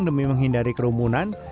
demi menghindari kerumunan